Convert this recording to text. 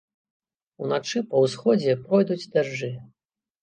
Уначы па ўсходзе пройдуць дажджы.